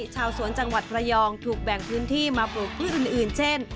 ชาวสวนจังหวัดระยองถูกแบ่งพื้นที่มาปลูกที่อื่นเช่น